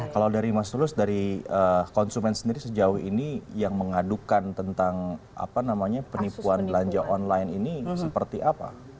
kalau dari mas tulus dari konsumen sendiri sejauh ini yang mengadukan tentang apa namanya penipuan belanja online ini seperti apa